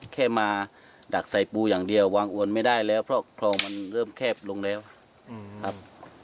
แค่มาดักใส่ปูอย่างเดียววางอวนไม่ได้แล้วเพราะคลองมันเริ่มแคบลงแล้วครับ